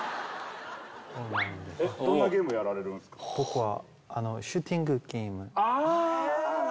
僕は。